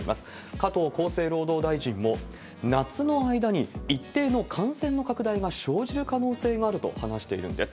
加藤厚生労働大臣も、夏の間に一定の感染の拡大が生じる可能性があると話しているんです。